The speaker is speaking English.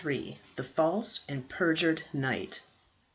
THE FALSE AND PERJURED KNIGHT.